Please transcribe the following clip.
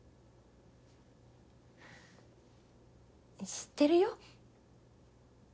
知ってるよ。